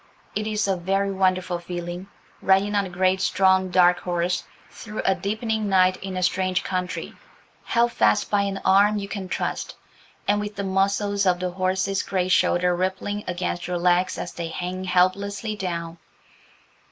It is a very wonderful feeling, riding on a great strong, dark horse, through a deepening night in a strange country, held fast by an arm you can trust, and with the muscles of a horse's great shoulder rippling against your legs as they hang helplessly down.